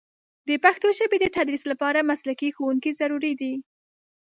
د پښتو ژبې د تدریس لپاره مسلکي ښوونکي ضروري دي.